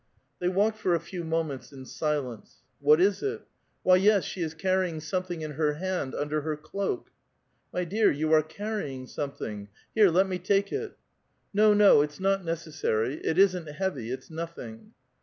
They walked for a few moments in silence. What is it? Why, 3es, she is carrying something in her hand under her cloak! *' My dear, you are carrying something ; here, let me take it." " No, no, it's not necessar}'. It isn't heavy ; it's nothing."